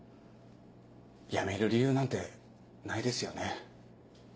やめる理由なんてないですよね。